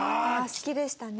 好きでしたね！